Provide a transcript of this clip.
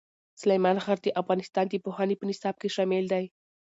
سلیمان غر د افغانستان د پوهنې په نصاب کې شامل دی.